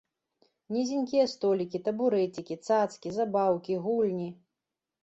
Нізенькія столікі, табурэцікі, цацкі, забаўкі, гульні.